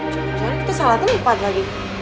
jangan jangan kita salahkan ipad lagi